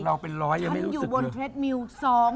เราเป็นร้อยยังไม่รู้สึกเหรอ